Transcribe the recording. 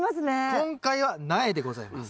今回は苗でございます。